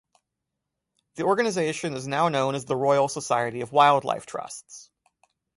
The organisation is now known as the Royal Society of Wildlife Trusts.